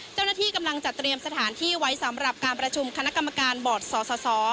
เจ้าหน้าที่กำลังจัดเตรียมสถานที่ไว้สำหรับการประชุมคณะกรรมการบอร์ดสส